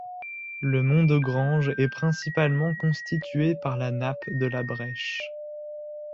Le mont de Grange est principalement constitué par la nappe de la Brèche.